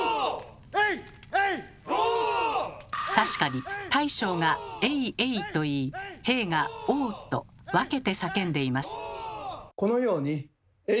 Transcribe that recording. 確かに大将が「エイエイ」と言い兵が「オー」と分けて叫んでいます。